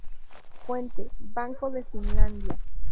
Fuente: Banco de Finlandia.